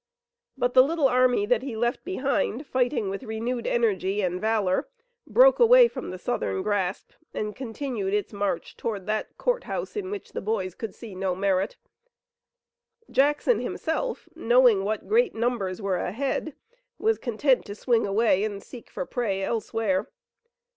But the little army that he left behind fighting with renewed energy and valor broke away from the Southern grasp and continued its march toward that court house, in which the boys could see no merit. Jackson himself, knowing what great numbers were ahead, was content to swing away and seek for prey elsewhere.